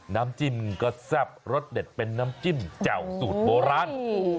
น้ำจิ้มก็แซ่บรสเด็ดเป็นน้ำจิ้มแจ่วสูตรโบราณ